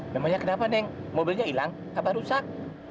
memangnya kenapa neng mobilnya hilang apa rusak